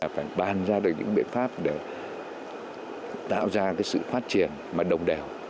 phải bàn ra được những biện pháp để tạo ra sự phát triển mà đồng đều